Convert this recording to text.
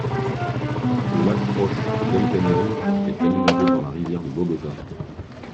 Le lac proche d'El Peñón est alimenté par la rivière de Bogota.